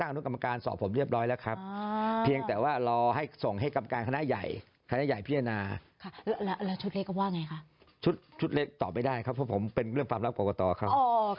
อันนุกรรมการสอบผมเรียบร้อยล่ะครับเพียงแต่ว่าที่ส่งให้กรรมการคณะใหญ่คณะใหญ่พิจารณา